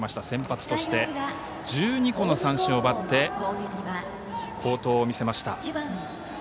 先発として１２個の三振を奪って好投を見せました。